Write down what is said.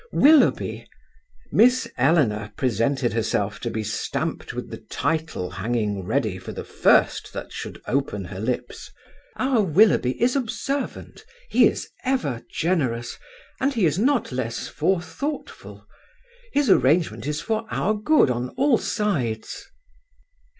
"Willoughby," Miss Eleanor presented herself to be stamped with the title hanging ready for the first that should open her lips, "our Willoughby is observant he is ever generous and he is not less forethoughtful. His arrangement is for our good on all sides."